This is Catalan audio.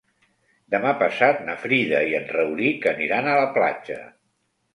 Demà passat na Frida i en Rauric aniran a la platja.